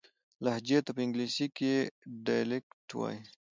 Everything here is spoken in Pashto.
لهجې ته په انګلیسي کښي Dialect وایي.